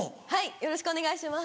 よろしくお願いします。